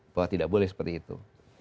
bahwa tidak boleh seperti itu